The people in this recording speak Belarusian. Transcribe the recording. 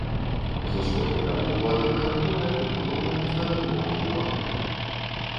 З усходняга боку аднапавярховая прыбудова з дадатковым уваходам.